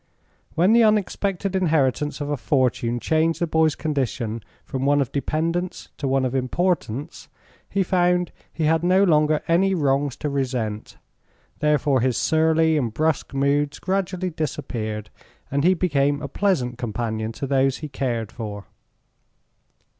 When the unexpected inheritance of a fortune changed the boy's condition from one of dependence to one of importance he found he had no longer any wrongs to resent; therefore his surly and brusque moods gradually disappeared, and he became a pleasant companion to those he cared for.